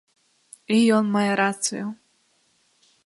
І ён мае рацыю.